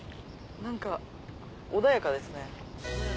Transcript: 何か穏やかですね。